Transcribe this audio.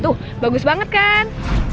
tuh bagus banget kan